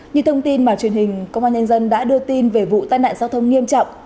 như thông tin mà truyền hình công an nhân dân đã đưa tin về vụ tai nạn giao thông nghiêm trọng